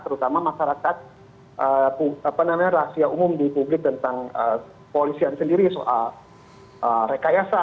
terutama masyarakat rahasia umum di publik tentang polisian sendiri soal rekayasa